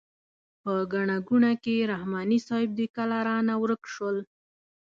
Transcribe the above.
په ګڼه ګوڼه کې رحماني صیب دوی کله رانه ورک شول.